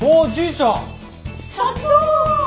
社長！